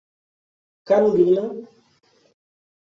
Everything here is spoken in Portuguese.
Carolina